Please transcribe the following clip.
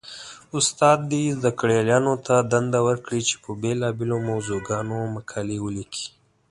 استاد دې زده کړيالانو ته دنده ورکړي؛ چې په بېلابېلو موضوعګانو مقالې وليکي.